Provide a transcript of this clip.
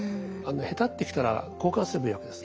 へたってきたら交換すればいいわけです。